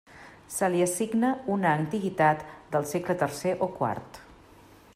Se li assigna una antiguitat del segle tercer o quart.